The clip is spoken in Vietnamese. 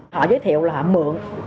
họ giới thiệu là họ mượn